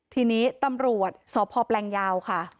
ทีนี้ตำรวจสพแปลงยาวค่ะ